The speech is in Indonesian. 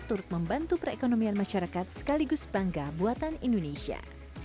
turut membantu perekonomian masyarakat sekaligus bangga buatan indonesia